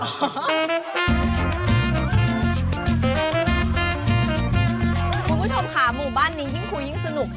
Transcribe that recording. คุณผู้ชมค่ะหมู่บ้านนี้ยิ่งคุยยิ่งสนุก